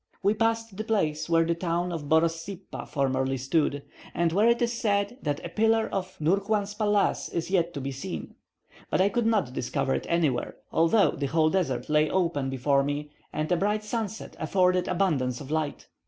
We passed the place where the town of Borossippa formerly stood, and where it is said that a pillar of Nourhwan's palace is yet to be seen; but I could not discover it anywhere, although the whole desert lay open before me and a bright sunset afforded abundance of light.